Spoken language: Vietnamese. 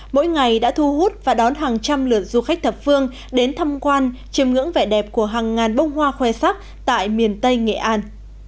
mỗi ngày đã thu hút và đón hàng trăm lượt du khách thập phương đến thăm quan chiêm ngưỡng vẻ đẹp của hàng ngàn bông hoa khoe sắc tại miền tây nghệ an